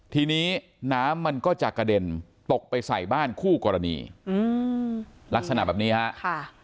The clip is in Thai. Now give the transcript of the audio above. ทีนี้น้ำมันก็จะกระเด็นตกไปใส่บ้านคู่กรณีอืมลักษณะแบบนี้ฮะค่ะ